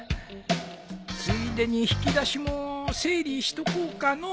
ついでに引き出しも整理しとこうかのう。